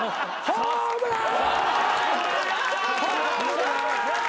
ホームラン！